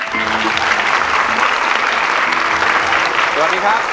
สวัสดีครับสวัสดีครับ